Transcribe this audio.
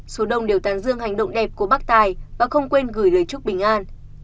số đông đều tàn dương hành động đẹp của bác tài và không quên gửi lời chúc bình an